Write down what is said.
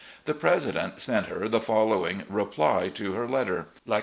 The president sent her the following reply to her letter: MRS.